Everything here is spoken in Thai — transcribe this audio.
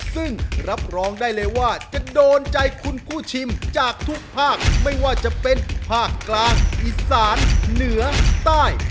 ซึ่งรับรองได้เลยว่าจะโดนใจคุณผู้ชิมจากทุกภาคไม่ว่าจะเป็นภาคกลางอีสานเหนือใต้